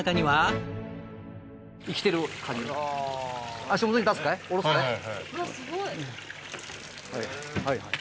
はい。